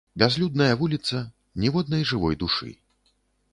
Бязлюдная вуліца, ніводнай жывой душы.